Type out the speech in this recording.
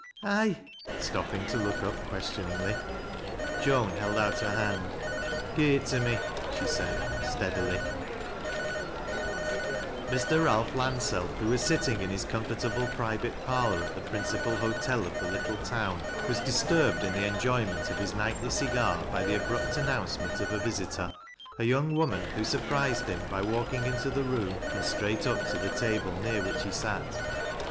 " Aye," stopping to look up questioningly. Joan held out her hand. " Gi'e it to me," she said, steadily Mr. Ealph Landsell, who was sitting in his comfortable piivate parlor at the principal hotel of the little town, wa8 disturbed in the enjoyment of his nightly cigar by the ftbiupt announcement of a visitor, — a young woman, who Burpi ised him by walking into the room and straight up to the table near which he sat.